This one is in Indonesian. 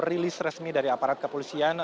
rilis resmi dari aparat kepolisian